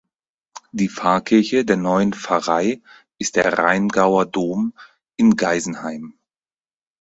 Die Pfarrkirche der neuen Pfarrei ist der Rheingauer Dom in Geisenheim.